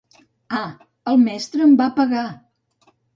A, el mestre em va pegar!